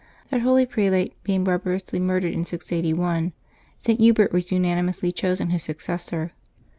That holy prelate being barbarously murdered in 681, St. Hubert was unanimously chosen his successor.